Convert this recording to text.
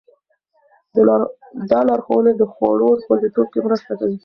دا لارښوونې د خوړو خوندیتوب کې مرسته کوي.